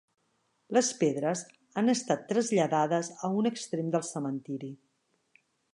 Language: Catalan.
Les pedres han estat traslladades a un extrem del cementiri.